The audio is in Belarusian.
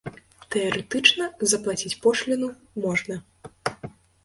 Тэарэтычна заплаціць пошліну можна.